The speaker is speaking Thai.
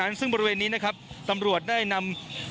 เท่านั้นซึ่งบริเวณนี้ครับตำรวจได้นำ